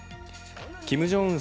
キム・ジョンウン